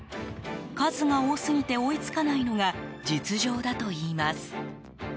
数が多すぎて、追いつかないのが実情だといいます。